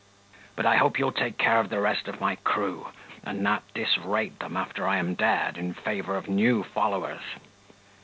But I hope you'll take care of the rest of my crew, and not disrate them after I am dead, in favour of new followers.